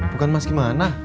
bukan emas gimana